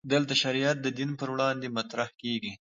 دلته شریعت د دین پر وړاندې مطرح کېږي.